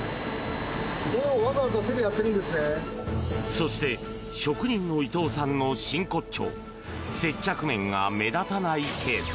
そして職人の伊藤さんの真骨頂接着面が目立たないケース。